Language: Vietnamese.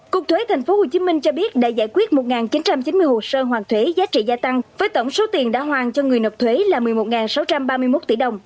cục thuế thành phố hồ chí minh cho biết đã giải quyết một chín trăm chín mươi hồ sơ hoàn thuế giá trị gia tăng với tổng số tiền đã hoàn cho người nộp thuế là một mươi một sáu trăm ba mươi một tiền